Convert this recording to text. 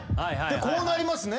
こうなりますね。